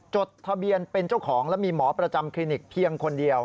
จดทะเบียนเป็นเจ้าของและมีหมอประจำคลินิกเพียงคนเดียว